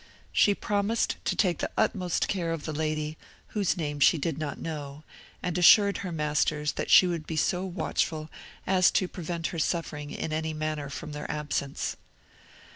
She promised to take the utmost care of the lady, whose name she did not know, and assured her masters that she would be so watchful as to prevent her suffering in any manner from their absence.